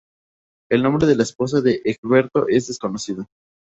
El nombre de la esposa de Egberto es desconocido.